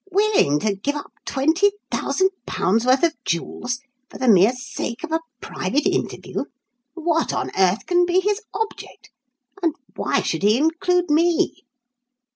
"Willing to give up £20,000 worth of jewels for the mere sake of a private interview! What on earth can be his object? And why should he include me?"